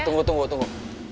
tunggu tunggu tunggu